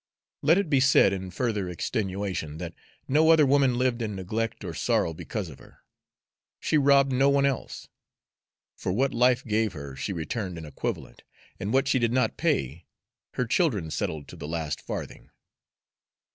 Let it be said, in further extenuation, that no other woman lived in neglect or sorrow because of her. She robbed no one else. For what life gave her she returned an equivalent; and what she did not pay, her children settled to the last farthing.